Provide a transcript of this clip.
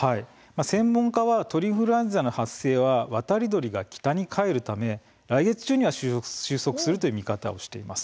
専門家は鳥インフルエンザの発生は渡り鳥が北に帰るため来月中には終息するというふうな見方をしています。